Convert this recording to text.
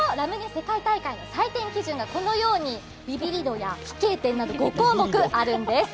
世界大会の採点基準がこのように、びびり度や飛型点など５項目あるんです。